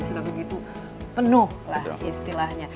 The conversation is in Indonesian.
sudah begitu penuh lah istilahnya